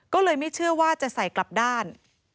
ก็เลยไม่เชื่อว่าจะใส่กลับด้าน